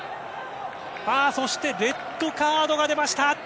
そしてレッドカードが出ました！